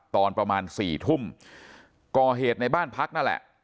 ตอนประมาณสี่ทุ่มก่อเหตุในบ้านพักนั่นแหละ